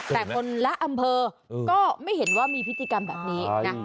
แต่คนละอำเภอก็ไม่เห็นว่ามีพิธีกรรมแบบนี้นะ